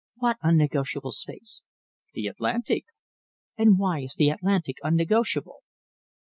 "What unnegotiable space?" "The Atlantic." "And why is the Atlantic unnegotiable?"